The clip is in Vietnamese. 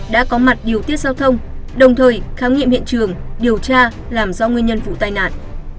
đã có mặt điều tiết giao thông đồng thời khám nghiệm hiện trường điều tra làm rõ nguyên nhân vụ tai nạn